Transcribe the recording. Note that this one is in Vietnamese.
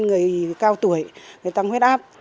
người cao tuổi người tăng huyết áp